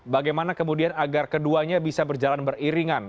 bagaimana kemudian agar keduanya bisa berjalan beriringan